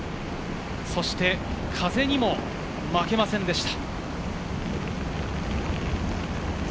そして風にも負けませんでした。